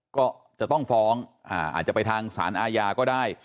ก็จะต้องฟ้องอาจจะไปทางสารอาญาก็ได้